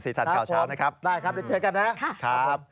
สัตว์ข่าวเช้านะครับได้ครับเดี๋ยวเจอกันนะครับ